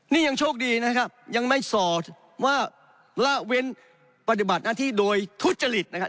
นี่ยังโชคดีนะครับยังไม่ส่อว่าละเว้นปฏิบัติหน้าที่โดยทุจริตนะครับ